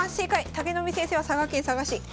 武富先生は佐賀県佐賀市。